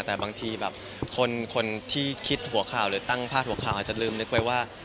แต่บางทีคนที่คิดหัวข่าวหรือตั้งพาดหัวข่าวจะลืมเหมือนกันว่า